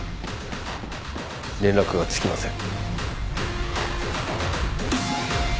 連絡がつきません。